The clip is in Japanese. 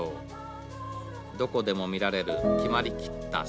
どこでも見られる決まりきった生活。